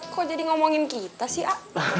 kok jadi ngomongin kita sih